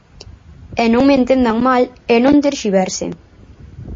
E non me entendan mal e non terxiversen.